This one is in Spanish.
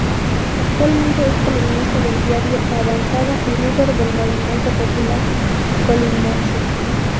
Actualmente es columnista del Diario Avanzada y líder del Movimiento Popular Colimense.